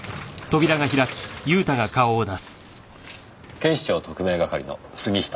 警視庁特命係の杉下です。